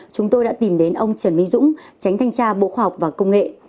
chúng tôi đã tìm đến ông trần minh dũng tránh thanh tra bộ khoa học và công nghệ